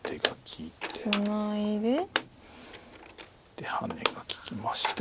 でハネが利きまして。